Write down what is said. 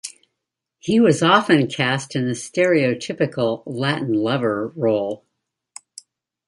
He was often cast in the stereotypical "Latin Lover" role.